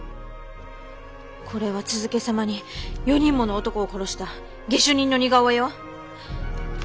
これは続けさまに４人もの男を殺した下手人の似顔絵よ。